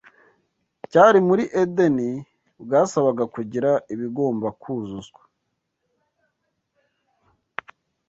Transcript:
cyari muri Edeni bwasabaga kugira ibigomba kuzuzwa